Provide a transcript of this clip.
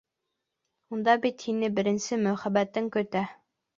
Унда бит һине беренсе мөхәббәтең көтә.